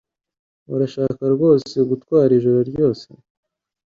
Urashaka rwose gutwara ijoro ryose?